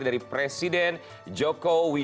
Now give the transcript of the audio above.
dari presiden jokowi